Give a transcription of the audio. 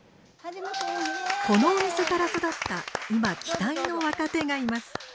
このお店から育った今期待の若手がいます。